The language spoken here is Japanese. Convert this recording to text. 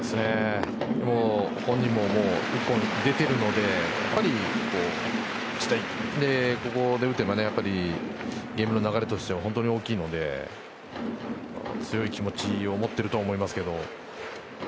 本人ももう１本出ているのでここに出るというのはゲームの流れとしては本当に大きいので強い気持ちを持っていると思いますけど。